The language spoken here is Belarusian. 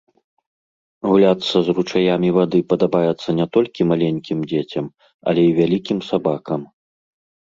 Гуляцца з ручаямі вады падабаецца не толькі маленькім дзецям, але і вялікім сабакам.